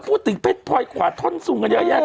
พูดถึงเพชรพลอยขวาท่อนสุ่งกันเยอะแยะ